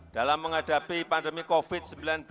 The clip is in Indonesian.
dalam menghadapi pandemi covid sembilan belas